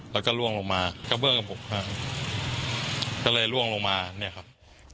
แล้วก็ล่วงลงมากระเบื้องกับผมก็เลยล่วงลงมาเนี่ยครับ